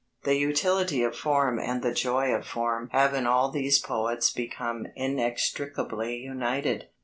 The utility of form and the joy of form have in all these poets become inextricably united.